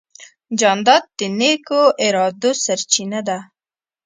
جانداد د نیکو ارادو سرچینه ده.